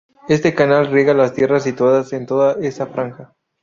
Este canal riega las tierras situadas en toda esa franja.